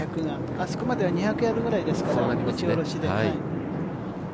あそこまでは２００ヤードですから、打ち下ろしで。